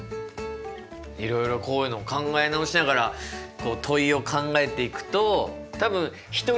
いろいろこういうのを考え直しながらこう問いを考えていくと多分そうですね。